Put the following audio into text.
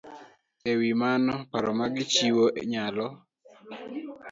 E wi mano, paro ma gichiwo nyalo